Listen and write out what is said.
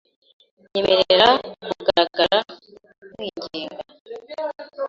Nyemerera kugaragara nkwinginga